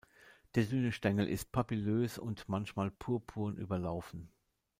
Der dünne Stängel ist papillös und manchmal purpurn überlaufen.